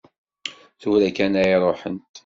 Tura kan ay ruḥent.